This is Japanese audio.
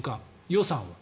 予算は。